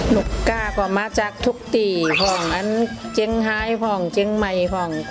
ลูกค้าก็มาจากทุกติฟิฟองเอ๊๋นเจ้งไฮฟองเจ้๊งไหมฟอง